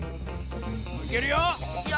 いけるよ！